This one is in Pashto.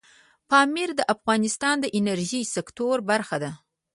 پامیر د افغانستان د انرژۍ سکتور برخه ده.